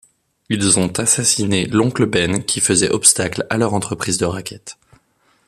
Ils ont assassiné l'oncle Ben qui faisait obstacle à leur entreprise de racket.